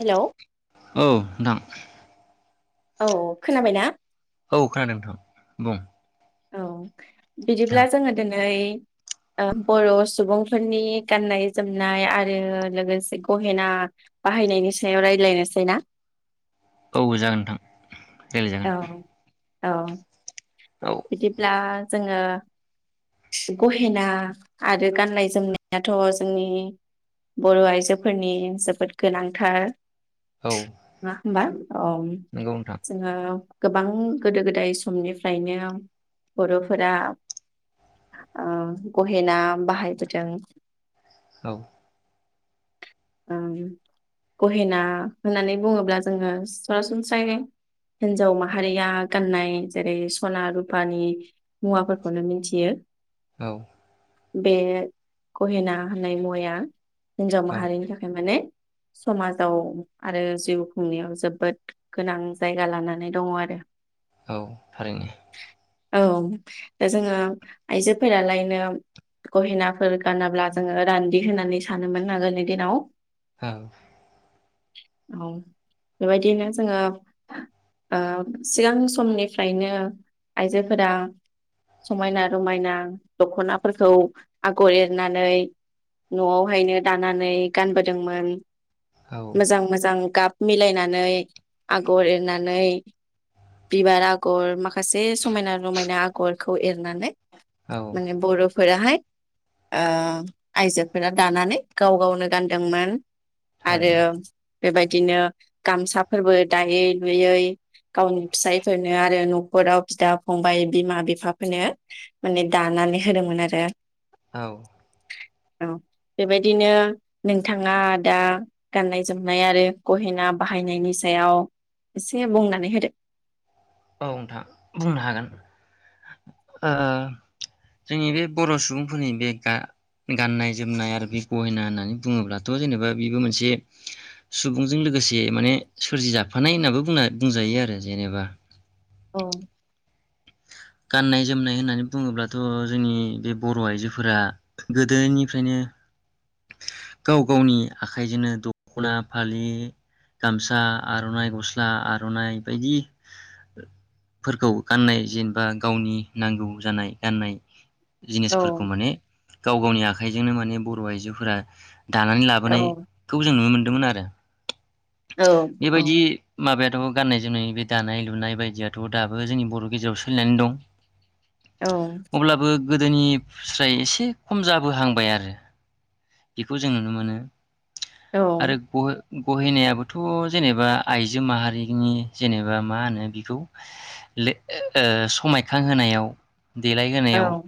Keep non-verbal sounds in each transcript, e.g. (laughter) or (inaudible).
Hello औ नोंथां। औ खोनाबायना? औ खोनादों नोंथां बुं। औ औ बिदिब्ला जोङो दो नै ओ बर' सुबुंफोरनि गाननाय जोमनाय आरो लोगोसे गहेना बाहायनायनि सायाव रायलायनोसै ना? औ जागोन नोंथां औ। रायलायजागोन औ। औ बिदिब्ला जोङो गहेना आरो गाननाय जोमनायाथ' जोंनि बर' आइजोफोरनि जोबोद गोनांथार नङा होमबा? नोंगौ नोंथां। ओ गोबां गोदो गोदाय समनिफ्रायनो बर'फोरा ओ गहेना बाहायबोदों। औ। ओ गहेना होननानै बुङोब्ला जोङो सरासनस्रायै हिन्जाव माहारिया गाननाय जेरै सना रुपानि मुवाफोरखौनो मिनथियो। औ। बे गहेना होननाय मुवाया हिन्जाव औ माहारिनि माने समाजाव आरो जिउ खुंनायाव जोबोद गोनां जायगा लानानै दङ आरो। औ थारैनो। औ दा जोङो आइजोफोरालायनो गहेनाफोर गानाब्ला जोङो रान्दि होननानै सानोमोन आगोलनि दिनाव। औ। औ बेबायदिनो जोङो ओ सिगां समनिफ्रायनो आइजोफोरा समायना रमायना दखनाफोरखौ आगर एरनानै न'आवहायनो दानानै गानबोदोंमोन औ मोजां मोजां गाब मिलायनानै आगर एरनानै बिबार आगर मा खासे समायना रमायना आ गरखौ एरनानै औ माने बर'फोराहाय ओ आइजोफोरा दानानै गाव गावनो गानदोंमोन आरो थारैनो बेबायदिनो गामसाफोरबो दायै लुयै गावनि फिसायफोरनो आरो न'खराव बिदा फंबाय बिमा बिफाफोरनो माने दानानै होदोंमोन आरो औ। औ बेबायदिनो नोंथाङा दा गाननाय जोमनाय आरो गहेना बाहायनायनि सायाव एसे बुंनानै होदो औ नोंथां बुंनो हागोन ओ जोंनि बे बर' सुबुंफोरनि बे गाननाय जोमनाय आरो बे गहेना होननानै बुङोब्लाथ' जेनेबा बेबो मोनसे सुबुंजों लोगोसे माने सोरजिजफानाय होननाबो बुंजायो आरो जेनेबा औ। गाननाय जोमनाय होननानै बुङोब्लाथ' जोंनि बे बर' आइजोफोरा गोदोनिफ्रायनो गाव गावनि आखाइजोंनो दख'ना फालि गामसा आर'नाइ गस्ला आर'नाइ बायदिफोरखौ गाननाय जेनेबा गावनि नांगौ जानाय गाननाय जिनिसफोरखौ औ माने गाव गावनि आखाइजोंनो माने बर' आइजो फोरा दानानै औ लाबोनायखौ जों नुनो मोन्दोंमोन आरो औ बेबायदि माबाया थ' गाननाय जोमनाय बे दानाय लुनाय बायदियाथ' दाबो जोंनि बर' गेजेराव सोलिनानै दं। औ। गोदोनि फ्राय एसे खम जाबोहांबाय आरो बेखौ जों नुनो मोनो। औ आरो ग' गहेनायाबोथ' जेनेबा आइजो माहारिनि जेनेबा मा होनो बिखौ लो-समायखांहोनायाव देलायहोनायाव औ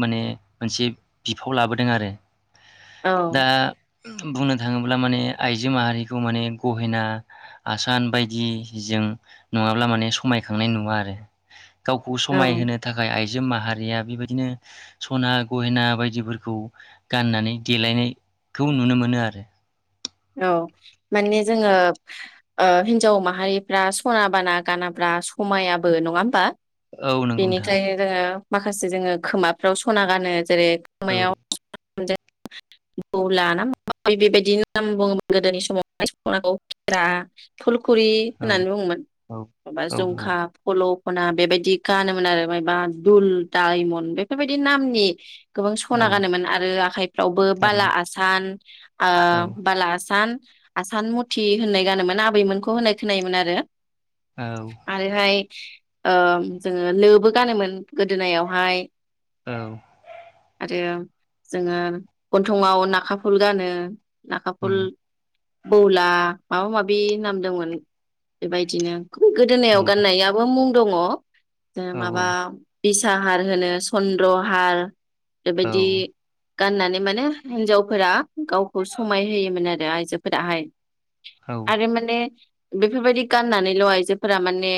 माने मोनसे बिफाव लाबोदों आरो दा बुंनो थाङोब्ला माने आइजो माहारिखौ माने गहेना आसान बायदि जों नङाब्ला माने समायखांनाय नुवा आरो गावखौ समाय औ होनो थाखाय आइ जो माहारिया बेबायदिनो सना गहेना बायदिफोरखौ गाननानै देलायनायखौ नुनो मोनो आरो औ माने जोङो ओ हिन्जाव माहारिफ्रा सना बाना गानाब्रा समायाबो नङा होमबा औ नंगौ नोंथां बेनिखायनो जोङो माखासे जोङो खोमाफ्राव सना गानो जेरै औ खोमायाव (unintelligible) लाना बेबायदिनो आ बुङोबा गोदोनि समावनाखौ खेरा फुल फुखुरि औ होननानै बुङोमोन औ माबा औ जुंखा फलक खना बेबायाददि गानोमोन आरो मायबा दुल दायमन बेफोरबायदि नामनि गोबां औ सना गानोमोन आरो आखाइफ्रावबो बाला थारैनो आसान ओ ला आसान आसान मुथि होननाय गानोमोन आबैमोनखौ होननाय खोनायोमोन आरो औ आरो हाय ओ जोङो लोबो गानोमोन गोदोनायावहाय औ आरो जोङो गन्थङाव नाखाफुल गानो नाखाफुल उम बौला माबा माबि नामदोंमोन बेबायदिनो औ गोदोनायाव गाननायाबो मुं दङ ओ औ माबा बिसाहार होनो चन्द्रहार औ बेबायदि गाननानै माने हिनजावफोरा गाव खौ समाय होयोमोन आरो आइजोफोराहाय औ आरो माने बेफोरबायदि गाननानैल' आइजोफोरा माने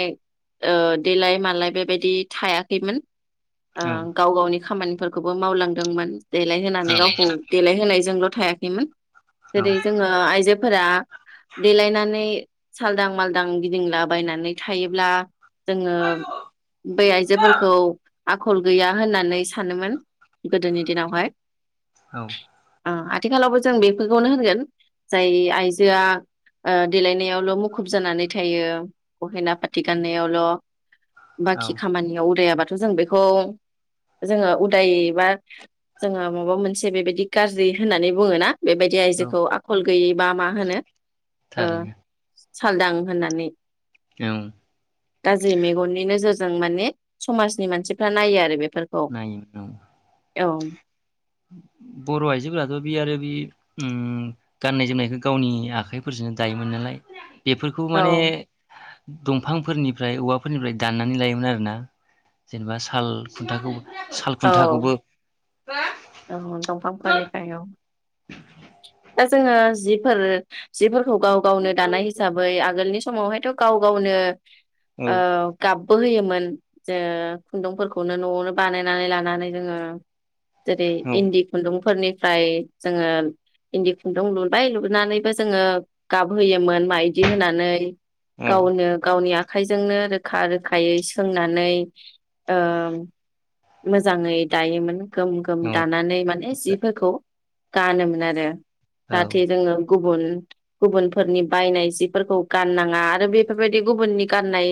ओ देलाय मालाय बेबायदि थायाखैमोन ओ गाव गावनि खामानिफोरखौ खौबो मावलांदोंमोन देलाय होनोनानै गावखौ देलायहोनायजोंल' थायाखैमोन जेरै जोङो आइजो फोरा देलायनानै सालदां मालदां गिदिंलाबायनानै थायोब्ला जोङो बै आइजोफोरखौ आखल गैया होननानै सानोमोन गोदोनि दिनावहाय औ आथिखालावबो जों बेफोरखौनो होनगोन जाय आइजोआ ओ देलायनायावल' मुखुब जानानै थायो गहेना पाथि गाननायावल' औ बाखि खामानियाव उदायाबाथ थ' जों बेखौ जोङो उदाय बा जोङो माबा मोनसे बेबायदि गाज्रि होननानै बुङो ना बेबायदि आइजोखौ आखल गैयि बा मा होनो ओ थारेैनो सालदां होननानै गाज्रि मेगननि नोजोर जों माने समजनि मानसिफोरा नायो आरो बे नायो औ औ बर' आइजोफोराथ' बे आरो बे उम गाननाय जोमनायखौ गावनि आखाइफोरजोंनो दायोमोन नालाय बेफोरखौ औ माने दंफांफोरनिफ्राय औवाफोरनिफ्राय दाननानै लायोमोन आरोना जेनेबा साल खुन्थाखौ साल औ खुन्थाखौबो (unintelligible) औ दंफांफोरनिफ्राय औ। दा जोङो जिफोर जिफोरखौ गाव गावनो दानाय हिसाबै आगोलनि समावहायथ' गाव गावनो ओ औ गाबबो होयोमोन। जो खुन्दुंफोरखौनो न'आवनो बानायनानै लानानै जोङो। जेरै इन्दि खुन्दुंफोरनि फ्राय जोङो इन्दि खुन्दुं लुबाय लुनानैबो जोङो गाबहोयोमोन माइदि होनानै। औ गावनो गावनि आखाइजोंनो रोखा रोखायै सोंनानै ओ मोजाङै दायोमोन। गोम गोम औ दानानै माने औ जिफोरखौ गानोमोन आरो। औ नाथाय जोङो गुबुन गुबुनफोरनि बायनाय जिफोरखौ गाननाङा आरो बेफोरबायदि गुबुननि गाननाय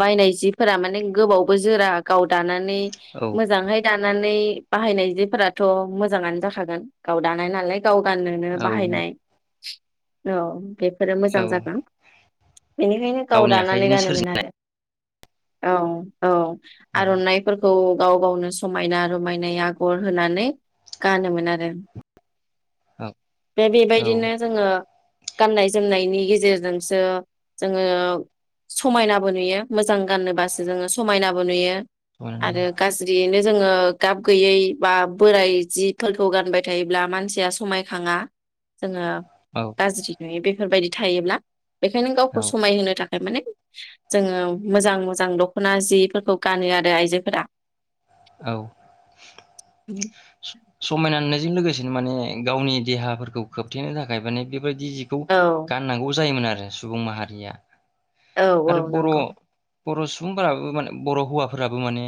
बायनाय जिफोरा माने गोबावबो जोरा गाव दानानै औ मोजांहाय दानानै बाहायनाय जिफोराथ' मोजाङानो जाखागोन गाव दानाय नालाय। गाव गाननोनो औ बाहायनाय औ बे फोरो औ मोजां जागोन। बेनिखायनो गाव गावनि दानानै आखाइजोंनो गानोमोन सोरजिनाय आरो। औ‌। औ औ आर'नाइफोरखौ गाव गावनो समायना रमाय नाय आगर होनानै गानोमोन आरो। औ बे औ बेबायदिनो जोङो गाननाय जोमनायनि गेजेरजोंसो जोङो समायनाबो नुयो मोजां गानोबासो जोङो समायनाबो नुयो। आरो गाज्रियैनो जोङो गाब गैयै बा बोराइ जिफोरखौ गानबाय थायोब्ला मानसिया समायखाङा । जोङो औ गाज्रि नुयो बेफोरबायदि थायोब्ला बेखायनो गावखौ समायहोनो था खाय माने जोङो मोजां मोजां दख'ना जिफोरखौ गानो आरो आइजोफोरा । औ। स-समायना नुनाय जों लोगोसेनो माने गावनि देहाफोरखौ खोबथेनो थाखाय माने बे बादि जिखौ औ गाननांगौ जायोमोन आरो । ओ सुबुं माहारिया औ औ आरो बर' नोंगौ । बर' सुबुंफोराबो माने बर' हौवाफोराबो माने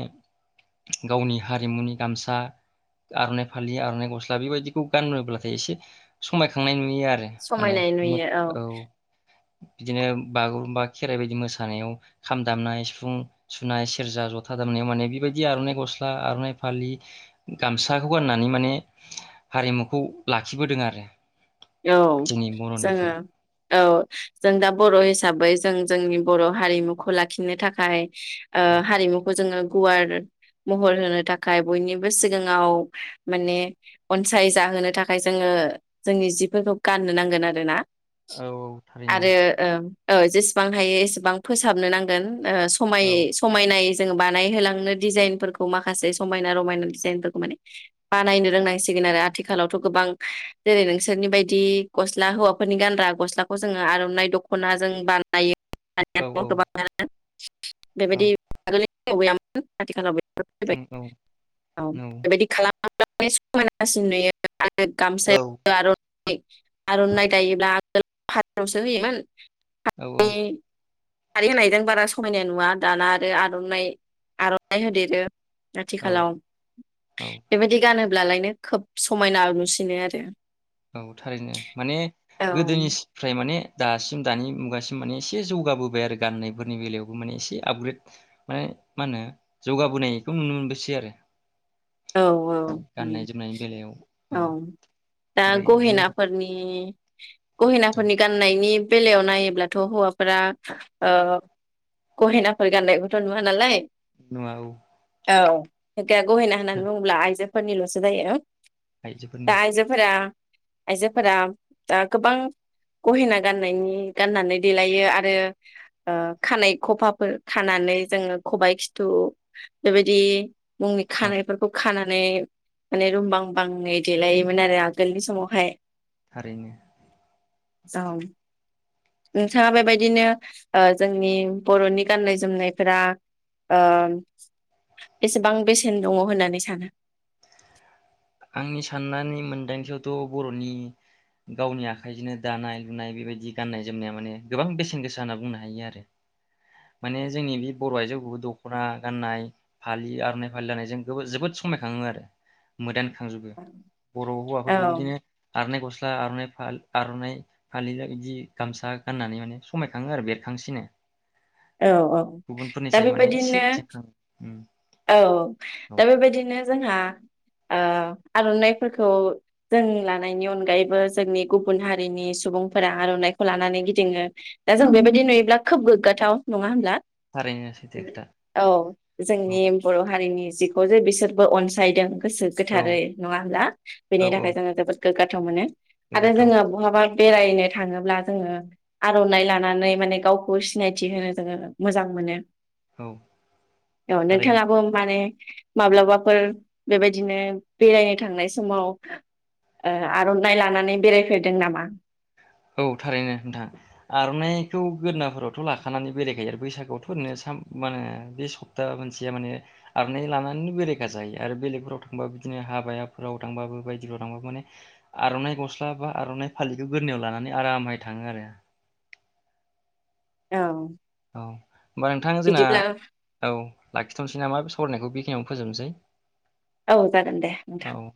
गावनि हारिमुनि गामसा आर'नाइ फालि आर'नाइ गस्ला बिबायदिखौ गानोब्लाथाय एसे समायखांनाय नु यो आरो माने समायनाय नुयो औ मो-औ बिदिनो बागुरुम्बा खेराइ बायदि मोसानायाव खाम दामनाय सिफुं सुनाय सेरजा जथा दामनायाव माने बेबायदि आर'नाइ गस्ला आर'नाइ फालि गामसाखौ गाननानै माने हारिमुखौ लाखिबोदों आरो । औ जोङो औ जों दा बर' हिसाबै जों जोंनि बर' हारिमुखौ लाखिनो थाखाय ओ औ हारिमुखौ जोङो गुवार महर होनो थाखाय बयनिबो सिगाङाव माने अनसाय जाहोनो थाखाय जोङो जोंनि जि फोरखौ गाननो नांगोन आरो ना औ औ । थारैनो आरो ओ ओ जेसेबां हायो एसेबां फोसाबनो नांगोन । ओ समाय औ समायनाय जों बानायहोलांनो दिजाइनफोरखौ माखासे समायना रमायना दिजाइनफोरखौ माने बानायनो रोंनांसिगोन आरो आथिखालावथ' गोबां जेरै नोंसोरनि बाय दि गस्ला हौवाफोरनि गानग्रा गस्लाखौ जोङो आर'नाइ दख'ना जों बानायो औ औ । (unintelligible) औ बेबादि आगोलै (unintelligible) औ बेबादि औ औ बेबायदि खालाम (unintelligible) समायनासिन नुयो आरो गामसा आर नाइ आर'नाइ दायोब्ला आंगोल फाथआवसो होयोमोन। । औ औ खारै होनायजों बारा समायनाय नुवा दाना आरो आर'नाइ आर'नाइ होदेरो । औ आथिखालाव औ बेबायदि गानो ब्लालायनो खोब समायना नुसिनो आरो। औ थारैनो माने औ गोदोनिफ्राय माने दासिम दानि मुगासिम माने एसे जौगाबोबाय आरो गाननायफोरनि बेलायावबो माने एसे आपग्रेड माने मा होनो जौगाबोनायखौ नुनो मोनबोसै आरो । औ औ उम औ दा आरो बिदिनो गहेनाफोरनि उम औ गहिनाफोरनि गान्नायनि बेलायाव नायोब्लाथ' हौवाफोरा ओ गहेनाफोर गाननायखौथ' नुवा नालाय नुवा औ औ दा गहेना नानै बुंब्ला आइज फोनिल'सो जायो । आइजोफोरनि दा आइजोफोरा आइजोफोरा दा गोबां गहेना गाननायनि गाननानै देलायो आरो ओ खानाय खफाफोर खानानै जोङो खबाइ खिथु बेबायदि मुंनि औ खानाय खानानै माने रुं बां बाङै देलायोमोन आरो आगोलनि समावहाय थारैनो जाव नोंथाङा बेबायदिनो ओ जोंनि बर'नि गाननाय जोमनायफोरा ओ बेसेबां बेसेन दङ होननानै सानो? आंनि साननानै मोनदांथियावथ' बर'नि गावनि आखाइजोंनो दानाय लुनाय बिबायदि गाननाय जोमनाया माने गोबां बेसेन गोसा होनना बुंनो हायो आरो माने जोंनि बे बर' आइजोखौबो दख'ना गाननाय फालि आर'नाइ फालि लानायजों जोबोद समायखाङो आरो मोदान खांजोबो बर' औ हौवाफोरखौ बिदिनो आरनाय ग'स्ला फोरा आर'नाइ फालि आर'नाइ फालि बिदि गामसा गाननानै माने समाय खाङो आरो बेरखांसिनो औ औ दा गुबुनफोरनिसाय माने एसे बेबायदिनो जोंखाङो औ औ दा बेबायदिनो दा जोंहा ओ आर'नाइफोरखौ जों लानायनि अनगायैबो जोंनि गुबुन हारिनि सुबुंफोरा आर'नाइखौ लानानै गिदिङो दा जों बेबायदि नुयोब्ला खोब गोग्गाथाव नङा होनब्ला? थारैनो सैथो खोथा औ जोंनि औ बर' हारिनि जिखौ जे बिसोरबो अनसायदों । गोसो औ गोथारै नङा होब्ला औ बेनि थाखाय औ जोङो जोबोद गोग्गा थाव मानो आरो गोग्गाथाव जोङो बहाबा बेरायनो थाङोब्ला जोङो आर'नाइ लानानै माने गावखौ सिनायथि होनो जोङो मोजां मोनो । औ औ थारैनो नोंथाङाबो माने माब्लाबाफोर बेबायदिनो बेरायनो थांनाय समाव ओ आर'नाइ लानानै बेरायफेरदों नामा? औ थारैनो नोंथां आरनाइखौ गोराफोरावथ लाखानानै बेरायखायो आरो बैसागोआवथ ओरैनो सा माहोनो बे सप्ता मोनसेया माने आरनाइ लानानै बेरायखा जायो आरो बेलेगफोराव थांबाबो बिदिनो हाबाफोराव थांबाबो बायदिफोराव थांबाबो माने आरनाइ गस्ला बा आनाइ फालिखौ गोरोननायाव लानानै। आरामहोय थाङो आरो। औ। औ। होमबा नोंथां जोंना बिदिब्ला औ लाखिथनोसै नामा बेस सावरायनायखौ बेखिनियावनो फोजोबनोसै। औ जागोन दे नोंथां। औ